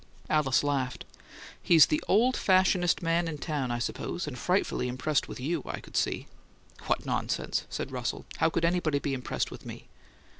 Alice laughed. "He's the old fashionedest man in town, I suppose and frightfully impressed with you, I could see!" "What nonsense!" said Russell. "How could anybody be impressed with me?"